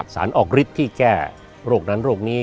สารออกฤทธิ์ที่แก้โรคนั้นโรคนี้